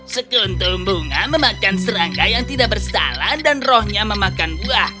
sekuntum bunga memakan serangga yang tidak bersalah dan rohnya memakan buah